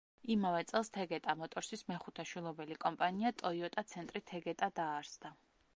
იმავე წელს „თეგეტა მოტორსის“ მეხუთე შვილობილი კომპანია, ტოიოტა ცენტრი თეგეტა დაარსდა.